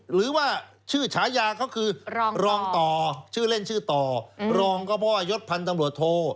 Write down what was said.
หรือว่าชื่อฉายาเขาคือรองต่อชื่อเล่นชื่อต่อรองก็เพราะว่ายศพันธ์ตำรวจโท